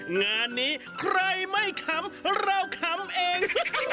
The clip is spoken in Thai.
งานนี้ใครไม่ขำเราขำเอง